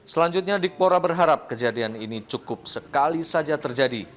selanjutnya dikpora berharap kejadian ini cukup sekali saja terjadi